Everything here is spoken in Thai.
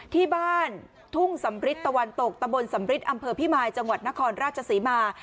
ที่บ้านทุ่งสำริทตะวันตกตะบนสำริทอำเภอพิมายจังหวัดนครราชศรีมา